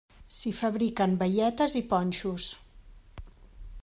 S'hi fabriquen baietes i ponxos.